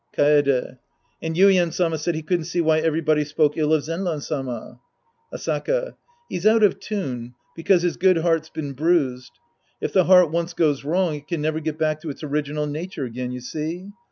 Kaede. And Yuien Sama said he couldn't see why everybody spoke ill of Zenran Sama. Asaka. He's out of tune because his good heart's been bruised. If the heart once goes wrong, it can never get back to its original nature again, you see.